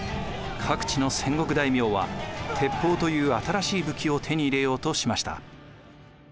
各地の戦国大名は鉄砲という新しい武器を手に入れようとしました。